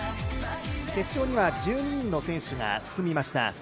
決勝には１２人の選手が進みました。